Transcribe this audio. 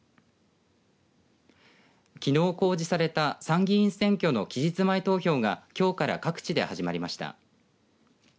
きのう公示された参議院選挙の期日前投票がきょうから各地で始まりました。